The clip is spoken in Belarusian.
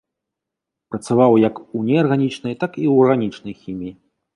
Працаваў як у неарганічнай, так і ў арганічнай хіміі.